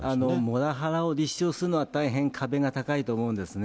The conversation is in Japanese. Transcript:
モラハラを立証するのは大変壁が高いと思うんですね。